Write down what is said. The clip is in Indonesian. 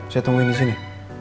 saya tungguin disini